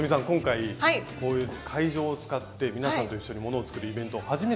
今回こういう会場を使って皆さんと一緒にものを作るイベント